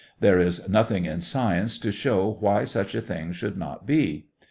There is nothing in science to show why such a thing should not be.